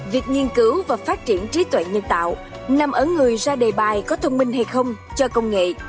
việc nghiên cứu và phát triển trí tuệ nhân tạo nằm ở người ra đề bài có thông minh hay không cho công nghệ